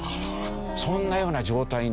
そんなような状態になる。